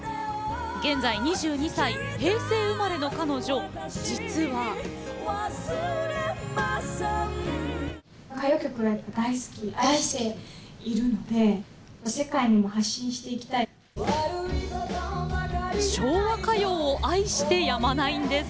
現在２２歳、平成生まれの彼女実は昭和歌謡を愛してやまないんです。